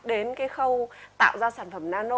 đến cái khâu tạo ra sản phẩm nano